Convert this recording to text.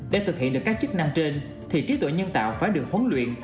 để thực hiện được các chức năng trên thì trí tuệ nhân tạo phải được huấn luyện